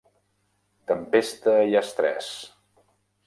Tempesta i estrès.